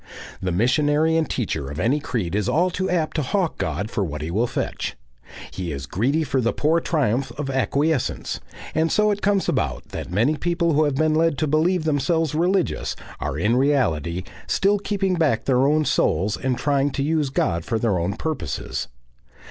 The missionary and teacher of any creed is all too apt to hawk God for what he will fetch; he is greedy for the poor triumph of acquiescence; and so it comes about that many people who have been led to believe themselves religious, are in reality still keeping back their own souls and trying to use God for their own purposes.